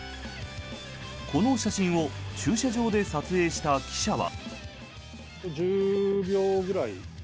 この写真を駐車場で撮影した記者は。